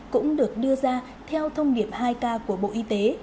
cũng được đưa ra theo thông điệp hai k của bộ y tế